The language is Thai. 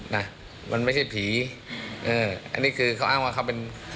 นะมันไม่ใช่ผีเอออันนี้คือเขาอ้างว่าเขาเป็น